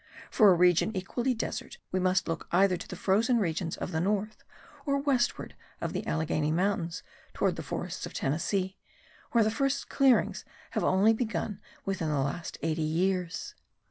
For a region equally desert, we must look either to the frozen regions of the north, or westward of the Allegheny mountains towards the forests of Tennessee, where the first clearings have only begun within the last eighty years!